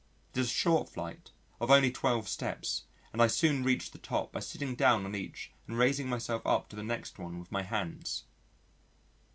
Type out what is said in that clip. It is a short flight of only 12 steps and I soon reached the top by sitting down on each and raising myself up to the next one with my hands.